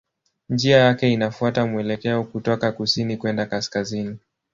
Njia yake inafuata mwelekeo kutoka kusini kwenda kaskazini.